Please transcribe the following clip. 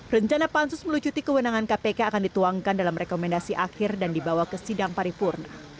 rencana pansus melucuti kewenangan kpk akan dituangkan dalam rekomendasi akhir dan dibawa ke sidang paripurna